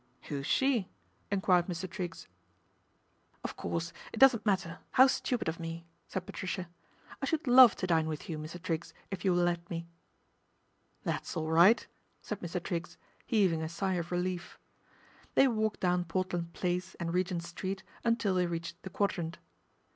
Who's she ?" enquired Mr. Triggs. THE DEFECTION OF MR. TRIGGS 153 " Of course it doesn't matter, how stupid of me," said Patricia ;" I should love to dine with you, Mr. Triggs, if you will let me." " That's all right," said Mr. Triggs, heaving a sigh of relief. They walked down Portland Place and Regent Street until they reached the Quadrant.